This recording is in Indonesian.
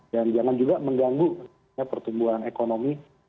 dan jangan juga mengganggu pertumbuhan ekonomi